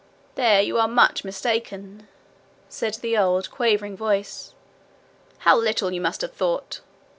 'There you are much mistaken,' said the old quavering voice. 'How little you must have thought!